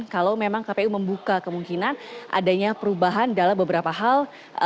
kalau memang kpu membuka kemungkinan adanya perubahan dalam beberapa hal